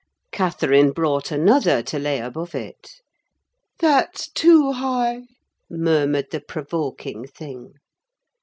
Catherine brought another to lay above it. "That's too high," murmured the provoking thing.